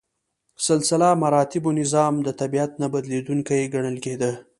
سلسله مراتبو نظام د طبیعت نه بدلیدونکی ګڼل کېده.